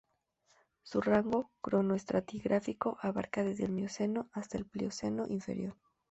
Su rango cronoestratigráfico abarca desde el Mioceno hasta la Plioceno inferior.